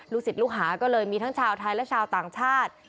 ศิษย์ลูกหาก็เลยมีทั้งชาวไทยและชาวต่างชาติ